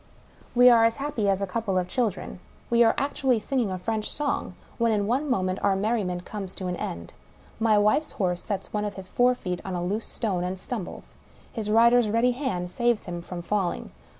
We are as happy as a couple of children ; we are actually singing a French song — when in one moment our merriment comes to an end. My wife's horse 'sets one of his forefeet on a loose stone, and stumbles. His rider's ready hand saves him from falling.